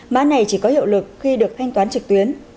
mã này chỉ có hiệu lực khi được thanh toán trực tuyến